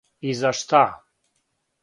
И за ста?